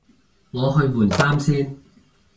我去換衫先